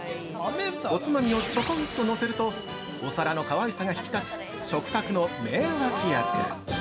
おつまみをちょこんとのせるとお皿のかわいさが引き立つ食卓の名脇役！